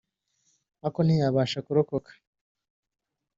ariko ntiyaasha kurokoka